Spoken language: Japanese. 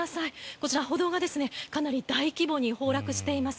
こちら、歩道がかなり大規模に崩落しています。